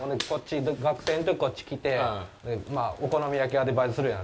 学生のときこっちに来てお好み焼き屋でバイトするやん。